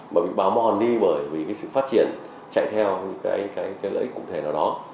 bảo mòn đi vì sự phát triển chạy theo lợi ích cụ thể nào đó